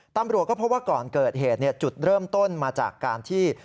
ตำรวจก็พบว่าก่อนเกิดเหตุจุดเริ่มต้นมาจากการที่